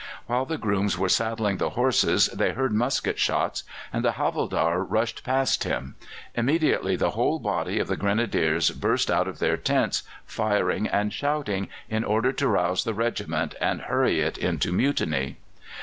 While the grooms were saddling the horses they heard musket shots, and the havildar rushed past him. Immediately the whole body of the Grenadiers burst out of their tents, firing and shouting, in order to rouse the regiment and hurry it into mutiny.